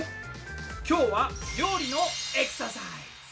今日は料理のエクササイズ。